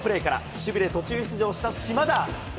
守備で途中出場した島田。